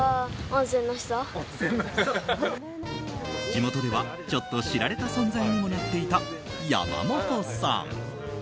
地元では、ちょっと知られた存在にもなっていた山本さん。